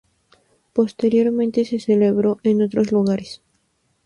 Posteriormente, se celebró en otros lugares.